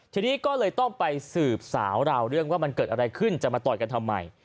ทีนี้ก็เลยต้องไปสืบสาวราวเรื่องว่ามันเกิดอะไรขึ้นจะมาต่อยกันทำไม